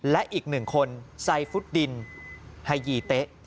และอีก๑คนไซฟุตดินไฮยีเตะ